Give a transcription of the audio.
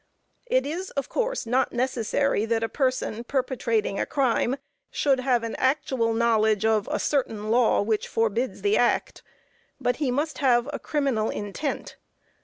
It is, of course, not necessary that a person perpetrating a crime should have an actual knowledge of a certain law which forbids the act, but he must have a criminal intent.